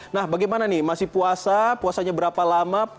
nah bagaimana nih masih puasa puasanya berapa lama